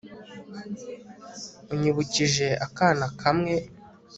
unyibukije akana kamwe